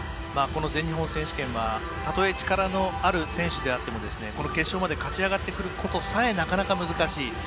この全日本選手権はたとえ力のある選手であってもこの決勝まで勝ち上がってくることさえなかなか難しい。